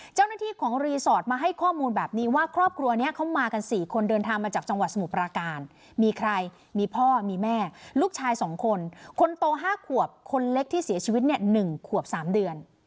เจ้าหน้าที่ของรีสอร์ทมาให้ข้อมูลแบบนี้ว่าครอบครัวนี้เขามากัน๔คนเดินทางมาจากจังหวัดสมุทรปราการมีใครมีพ่อมีแม่ลูกชาย๒คนคนโต๕ขวบคนเล็กที่เสียชีวิตเนี่ย๑ขวบ๓เดือน